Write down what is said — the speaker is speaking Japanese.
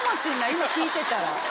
今聞いてたら。